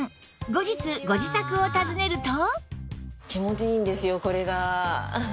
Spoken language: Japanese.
後日ご自宅を訪ねると